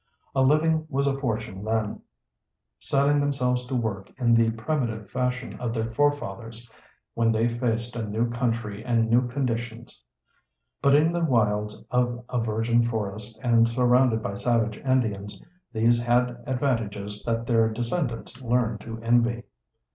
A living was a fortune then, setting themselves to work in the primitive fashion of their forefathers, when they faced a new country and new conditions. But in the wilds of a virgin forest and surrounded by savage Indians these had advantages that their descendants learned to envy.